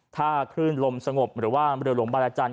ถ้าคลื่นลมสงบหรือว่าเรือหลวงบารจันท